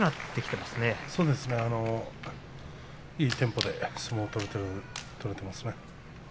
いいテンポで相撲が取れていますね。